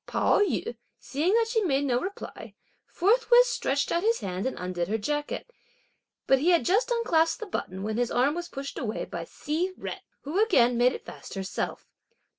Pao yü, seeing that she made no reply, forthwith stretched out his hand and undid her jacket; but he had just unclasped the button, when his arm was pushed away by Hsi Jen, who again made it fast herself.